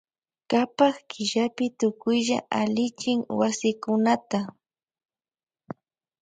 Kapak killapi tukuylla allichin wasikunata.